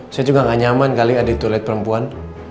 saya juga gak nyaman kali ada toilet perempuan